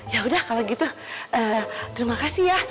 yaudah kalau gitu terima kasih ya